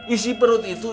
isi perut itu